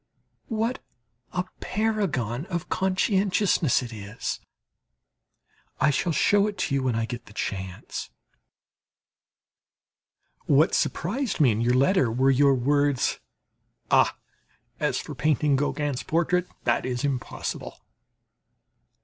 What a paragon of conscientiousness it is! I shall show it to you when I get the chance. What surprised me in your letter were your words: "Ah, as for painting Gauguin's portrait that is impossible!"